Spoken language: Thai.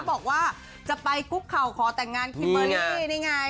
บอกว่าจะไปคุกเข่าขอแต่งงานคิมเบอร์รี่นี่ไง